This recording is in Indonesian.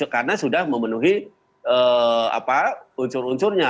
karena sudah memenuhi unsur unsurnya